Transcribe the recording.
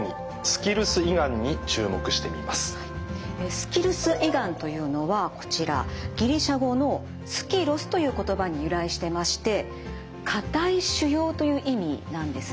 スキルス胃がんというのはこちらギリシア語の「ｓｋｉｒｒｈｏｓ」という言葉に由来してましてかたい腫瘍という意味なんですね。